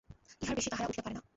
ইহার বেশী তাহারা আর উঠিতে পারে না।